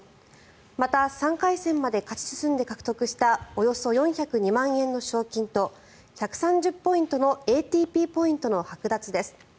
また、３回戦まで勝ち進んで獲得したおよそ４０２万円の賞金と１３０ポイントのＡＴＰポイントのはく奪です。